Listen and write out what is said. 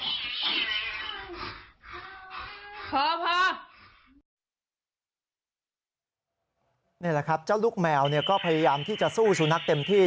นี่แหละครับเจ้าลูกแมวก็พยายามที่จะสู้สุนัขเต็มที่